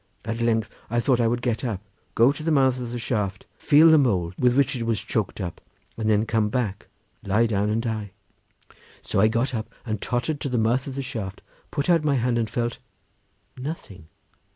At length I thought I would get up, go to the mouth of the shaft, feel the mould with which it was choked up, and then come back, lie down and die. So I got up and tottered to the mouth of the shaft, put out my hand and felt—nothing.